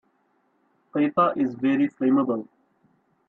Paper is very flammable.